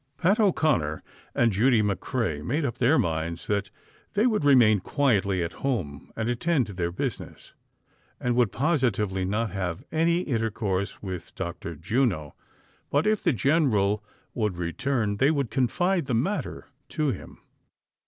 Pat O 'Conner and Judy McCrea made up their minds that they would remain quietly at home and attend to their business, and would positively not have any inter course with Dr. Juno ; but, if the general would return, they would confide the matter to him.